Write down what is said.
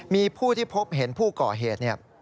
มีผู้ที่พบเห็นผู้ก่อเหตุ